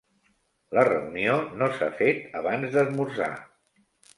La reunió no s'ha fet abans d'esmorzar.